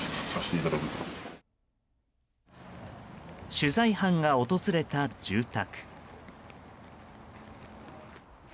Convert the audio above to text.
取材班が訪れた住宅。